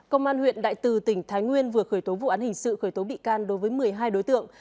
công an huyện đại từ tỉnh thái nguyên vừa khởi tố vụ án hình sự khởi tố bị can đối với một mươi hai đối tượng